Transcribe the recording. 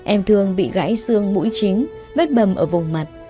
em thương bị gãy xương mũi chính vết bầm ở vùng mặt